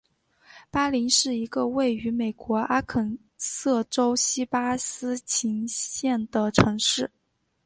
巴林是一个位于美国阿肯色州锡巴斯琴县的城市。